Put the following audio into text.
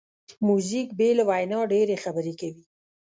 موزیک بې له وینا ډېری خبرې کوي.